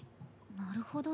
なるほど。